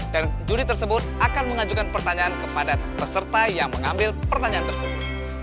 dan juri tersebut akan mengajukan pertanyaan kepada peserta yang mengambil pertanyaan tersebut